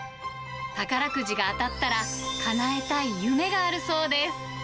宝くじが当たったら、かなえたい夢があるそうです。